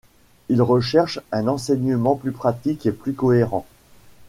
Il recherche un enseignement plus pratique et plus cohérent.